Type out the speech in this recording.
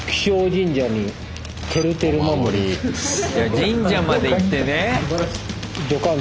神社まで行ってね。